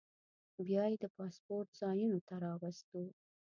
بیا یې د پاسپورټ ځایونو ته راوستو.